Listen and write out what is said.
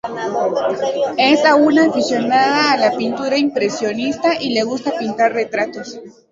Es aún aficionada a la Pintura impresionista y le gusta pintar retratos.